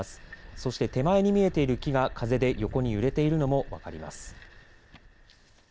そして手前に見えている木が風で横に揺れているのも分かります。